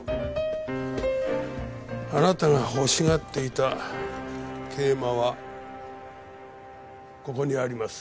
あなたが欲しがっていた桂馬はここにあります。